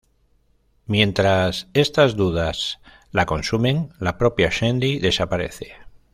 Mientras estas dudas la consumen, la propia Sandy desaparece.